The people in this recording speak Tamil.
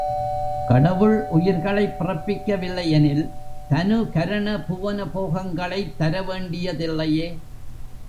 கடவுள் உயிர்களைப் பிறப்பிக்கவில்லையெனில் தனு கரண புவன போகங்களைத் தரவேண்டிய தில்லையே?